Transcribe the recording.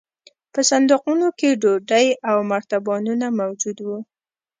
په صندوقونو کې ډوډۍ او مرتبانونه موجود وو